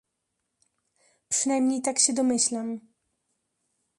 "Przynajmniej tak się domyślam."